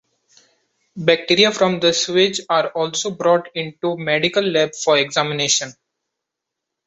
Bacteria from the sewage are also brought into medical lab for examination.